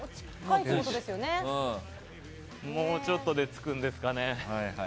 もうちょっとで着きますかね。